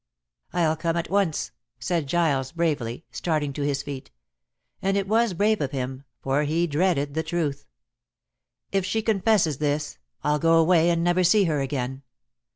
"I'll come at once," said Giles bravely, starting to his feet. And it was brave of him, for he dreaded the truth. "If she confesses this, I'll go away and never see her again.